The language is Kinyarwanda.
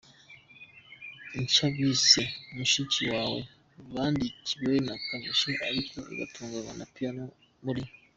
nshya bise Mushiki wawe bandikiwe na Kamichi ariko igatunganwa na Piano muri.